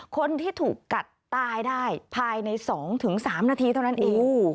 คนที่ถูกกัดตายได้ภายใน๒๓นาทีเท่านั้นเอง